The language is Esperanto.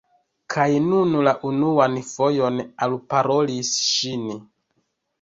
Kaj nun la unuan fojon alparolis ŝin.